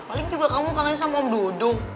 paling juga kamu kangen sama om duduk